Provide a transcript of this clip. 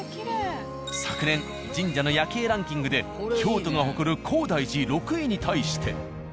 昨年神社の夜景ランキングで京都が誇る高台寺６位に対して。